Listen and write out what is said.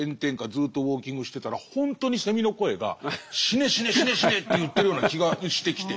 ずっとウォーキングしてたら本当にセミの声が「死ね死ね死ね死ね」って言ってるような気がしてきて。